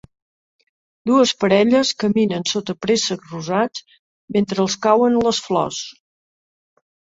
Dues parelles caminen sota préssecs rosats, mentre els cauen les flors.